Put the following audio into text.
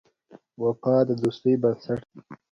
وفا د دوستۍ بنسټ دی.